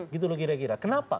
gitu loh kira kira kenapa